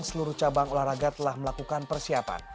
seluruh cabang olahraga telah melakukan persiapan